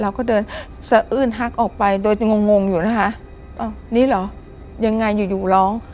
เราก็เดินสะอื้นฮักออกไปโดยจะงงงอยู่นะคะอ้าวนี่เหรอยังไงอยู่อยู่ร้อง